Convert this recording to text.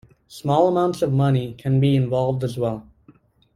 Small amounts of money can be involved as well.